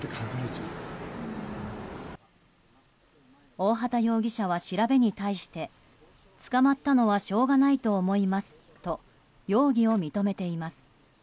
大畑容疑者は調べに対して捕まったのはしょうがないと思いますと容疑を認めています。